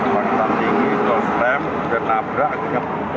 pak tandingi tostef sudah nabrak